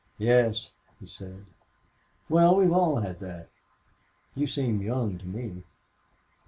"Yes," he said. "Well, we've all had that.... You seem young to me."